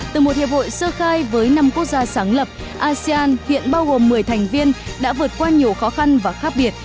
từ một hiệp hội sơ khai với năm quốc gia sáng lập asean hiện bao gồm một mươi thành viên đã vượt qua nhiều khó khăn và khác biệt